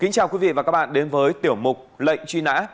kính chào quý vị và các bạn đến với tiểu mục lệnh truy nã